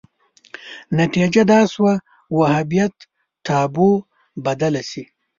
نتیجه دا شوه وهابیت تابو بدله شي